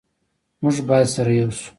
موږ باید سره ېو شو